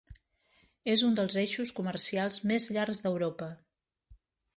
És un dels eixos comercials més llargs d'Europa.